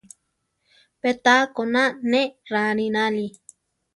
Pé taá koná ne rarináli.